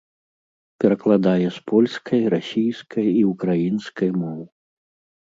Перакладае з польскай, расійскай і ўкраінскай моў.